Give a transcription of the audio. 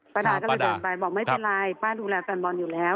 ดาก็เลยเดินไปบอกไม่เป็นไรป้าดูแลแฟนบอลอยู่แล้ว